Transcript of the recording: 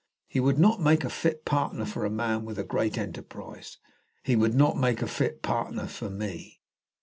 He would not make a fit partner for a man with a great enterprise. He would not make a fit partner for me."